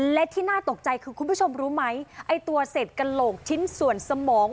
และที่น่าตกใจคือคุณผู้ชมรู้ไหมไอ้ตัวเศษกระโหลกชิ้นส่วนสมอง